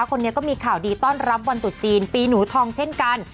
คนนี้ก็มีข่าวดีต้อนรับวันตุดจีนปีหนูทองเช่นกัน